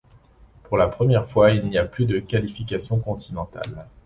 Pour la première fois, il n'y a plus de qualifications continentales.